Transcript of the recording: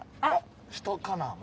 あっ人かな？